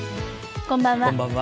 こんばんは。